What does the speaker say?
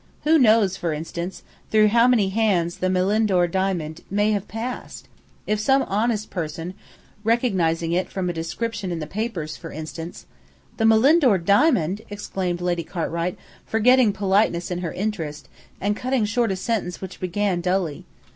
Who knows, for instance, through how many hands the Malindore diamond may have passed? If some honest person, recognizing it from a description in the papers, for instance " "The Malindore diamond!" exclaimed Lady Cartwright, forgetting politeness in her interest, and cutting short a sentence which began dully.